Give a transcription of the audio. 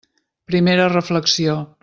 Primera reflexió.